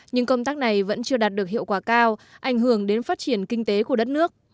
nhưng công tác này vẫn chưa đạt được hiệu quả cao ảnh hưởng đến phát triển kinh tế của đất nước